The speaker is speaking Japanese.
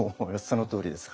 そのとおりです。